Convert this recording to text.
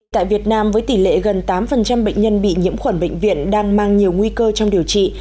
tại việt nam với tỷ lệ gần tám bệnh nhân bị nhiễm khuẩn bệnh viện đang mang nhiều nguy cơ trong điều trị